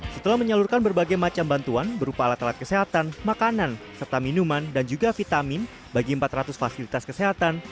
setelah menyalurkan berbagai macam bantuan berupa alat alat kesehatan makanan serta minuman dan juga vitamin bagi empat ratus fasilitas kesehatan